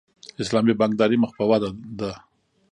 اسلامي بانکداري مخ په ودې ده